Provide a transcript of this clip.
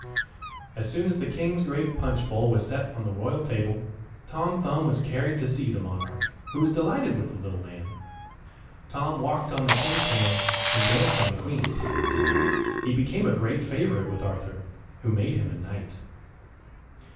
] As soon as the king's great punch bowl was set on the royal table, Tom Thumb was carried to see the monarch, who was delighted with the little man. Tom walked on the King's hand, and danced on the Queen's. He became a great favourite with Arthur, who made him a knight.